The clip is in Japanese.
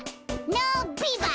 ノービバッ！